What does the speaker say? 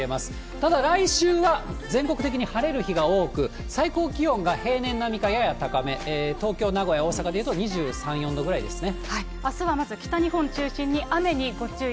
ただ、来週は全国的に晴れる日が多く、最高気温が平年並みかやや高め、東京、名古屋、大阪でいうと２３、クノールまさかの！？